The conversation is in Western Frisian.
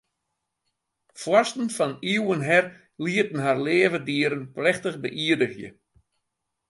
Foarsten fan iuwen her lieten har leave dieren plechtich beïerdigje.